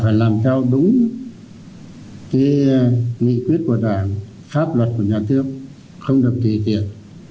và phải làm theo đúng cái nghị quyết của đảng pháp luật của nhà thương không được tùy tiện